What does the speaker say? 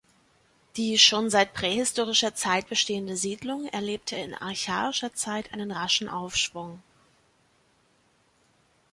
Die schon seit prähistorischer Zeit bestehende Siedlung erlebte in archaischer Zeit einen raschen Aufschwung.